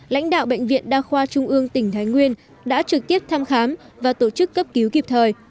lãnh đạo bệnh viện đa khoa trung ương tỉnh thái nguyên đã trực tiếp thăm khám và tổ chức cấp cứu kịp thời